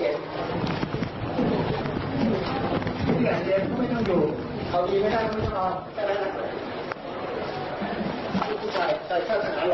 ใครเชิญสถานรอดอเดี๋ยวหมาหรือทางนี้มาเรียนทั้ง๓คน